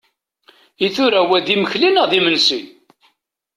I tura, wa d imekli neɣ d imensi?